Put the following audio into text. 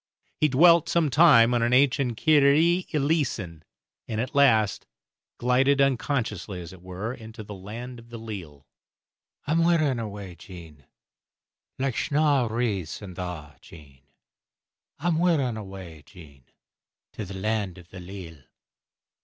He dwelt some time on an ancient "Kyrie Eleeson," and at last glided, unconsciously as it were, into the "Land o' the Leal." I'm wearin' away, Jean, Like snaw wreaths in thaw, Jean, I'm wearin' awa, Jean, To the Land o' the Leal.